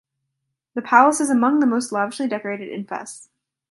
The palace is among the most lavishly decorated in Fes.